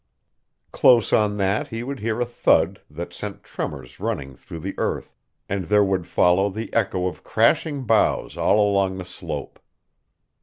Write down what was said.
Close on that he would hear a thud that sent tremors running through the earth, and there would follow the echo of crashing boughs all along the slope.